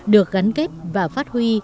được gắn kết và phát huy